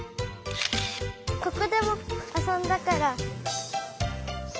ここでもあそんだから。